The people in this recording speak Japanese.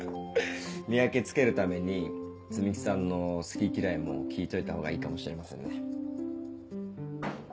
見分けつけるために摘木さんの好き嫌いも聞いといたほうがいいかもしれませんね。